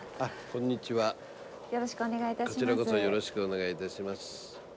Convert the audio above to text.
こちらこそよろしくお願いいたします。